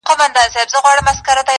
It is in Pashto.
پرون مي دومره درته وژړله,